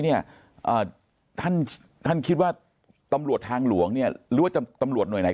ท่านท่านคิดว่าตำรวจทางหลวงเนี่ยหรือว่าตำรวจหน่วยไหน